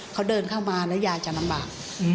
เขาเดินเข้ามาแล้วยายจะลำบาก